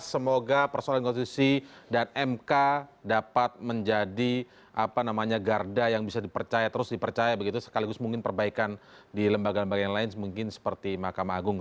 semoga persoalan konstitusi dan mk dapat menjadi garda yang bisa dipercaya terus dipercaya begitu sekaligus mungkin perbaikan di lembaga lembaga yang lain mungkin seperti mahkamah agung